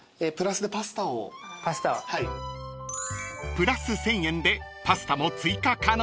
［プラス１，０００円でパスタも追加可能］